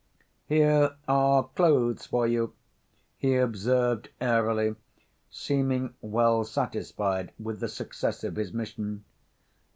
"Here are clothes for you," he observed airily, seeming well satisfied with the success of his mission.